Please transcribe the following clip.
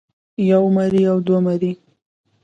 يوه مرۍ او دوه مرۍ